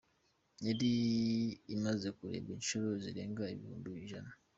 Yari imaze kurebwa inshuro zirenga ibihumbi ijana.